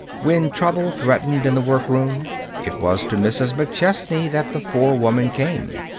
When trouble threatened in the workroom, it was to Mrs. McChesney that the forewoman came.